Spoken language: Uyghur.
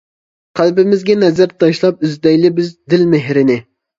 قەلبىمىزگە نەزەر تاشلاپ، ئىزدەيلى بىز، دىل-مېھىرنى.